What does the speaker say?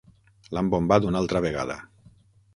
L'han bombat una altra vegada.